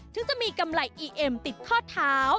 ถึงจะมีกำไรอีเอ็มติดข้อเท้า